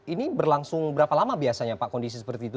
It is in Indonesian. ini berlangsung berapa lama biasanya pak kondisi seperti itu